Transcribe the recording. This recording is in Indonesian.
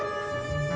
masih tak bau